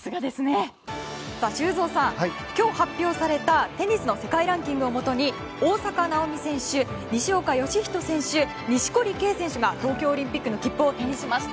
修造さん、今日発表されたテニスの世界ランキングをもとに大坂なおみ選手、西岡良仁選手錦織圭選手が東京オリンピックの切符を手にしました。